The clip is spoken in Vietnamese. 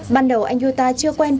ban đầu anh yuta chưa quen được